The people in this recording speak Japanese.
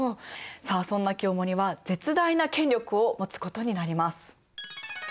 さあそんな清盛は絶大な権力を持つことになります。